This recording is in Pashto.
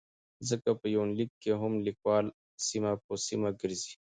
ځکه په يونليک کې هم ليکوال سيمه په سيمه ګرځي